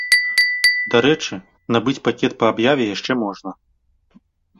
Дарэчы, набыць пакет па аб'яве яшчэ можна.